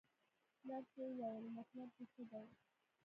نرسې وویل: مطلب دې څه دی؟